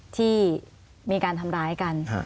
ที่มีการทำร้ายกัน